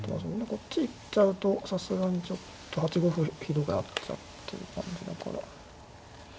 こっち行っちゃうとさすがにちょっと８五歩ひどくなっちゃうという感じだから。